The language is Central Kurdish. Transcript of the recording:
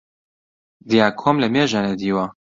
دیاکۆم لەمێژە نەدیوە